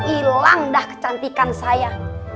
ilang dah kecantikan saya